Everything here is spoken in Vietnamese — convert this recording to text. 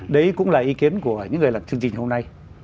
đấy cũng là ý kiến của những người làm chương trình hôm nay